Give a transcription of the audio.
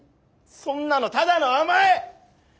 そんなのただの甘え！